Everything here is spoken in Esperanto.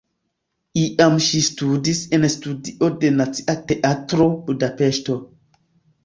Iam ŝi studis en studio de Nacia Teatro (Budapeŝto).